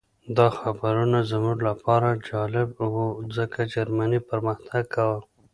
دا خبرونه زموږ لپاره جالب وو ځکه جرمني پرمختګ کاوه